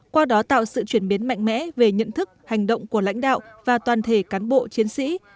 qua đó tạo sự chuyển biến mạnh mẽ về nhận thức hành động của lãnh đạo và toàn thể cán bộ chiến sĩ